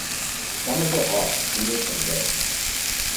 Summers are hot, humid and wet.